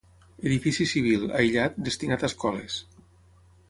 Edifici civil, aïllat, destinat a escoles.